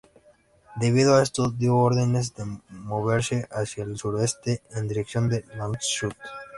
Debido a esto, dio órdenes de moverse hacia el sureste, en dirección a Landshut.